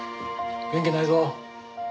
元気ないぞ。